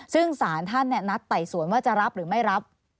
ซึ่งสารท่านนัดไต่สวนว่าจะรับหรือไม่รับ